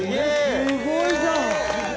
「すごいじゃん！」